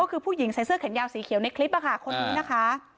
ก็คือผู้หญิงใส่เสื้อแขนยาวสีเขียวในคลิปคนนี้นะคะ